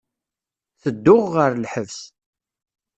Tedduɣ ɣer lḥebs.